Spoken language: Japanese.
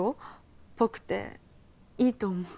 っぽくていいと思う。